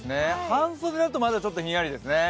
半袖だとまだちょっとひんやりですね。